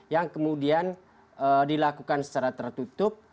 yang kemudian dilakukan secara tertutup